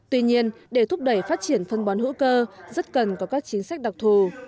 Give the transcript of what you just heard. tuy nhiên để thúc đẩy phát triển phân bón hữu cơ rất cần có các chính sách đặc thù